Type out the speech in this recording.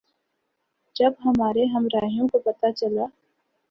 جب ہمارے ہمراہیوں کو پتہ چلا